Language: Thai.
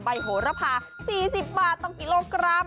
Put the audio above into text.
โหระพา๔๐บาทต่อกิโลกรัม